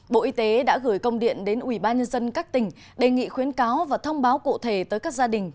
bộ y tế đã gửi công điện đến ủy ban nhân dân các tỉnh đề nghị khuyến cáo và thông báo cụ thể tới các gia đình